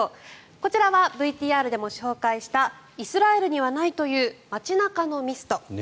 こちらはＶＴＲでも紹介したイスラエルにはないという街中のミスト。